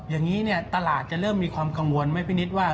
อย่างนี้เนี่ยตลาดจะเริ่มมีความกังวลไหมพี่นิดว่า